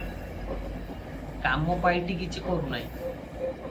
କାମ ପାଇଟି କିଛି କରୁ ନାହିଁ?